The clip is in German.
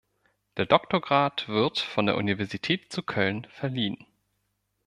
Der Doktorgrad wird von der Universität zu Köln verliehen.